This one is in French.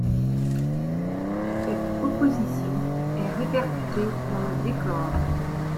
Cette opposition est répercutée dans le décor.